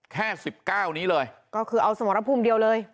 แค่สิบเก้านี้เลยก็คือเอาสมรภูมิเดียวเลย